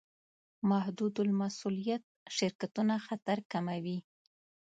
محدودالمسوولیت شرکتونه خطر کموي.